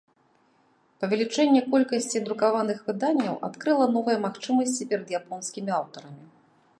Павялічэнне колькасці друкаваных выданняў адкрыла новыя магчымасці перад японскімі аўтарамі.